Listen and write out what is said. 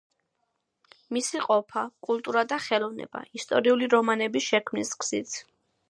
მისი ყოფა, კულტურა და ხელოვნება, ისტორიული რომანების შექმნის გზით.